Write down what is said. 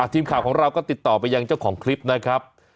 ทีมข่าวของเราก็ติดต่อไปยังเจ้าของคลิปนะครับ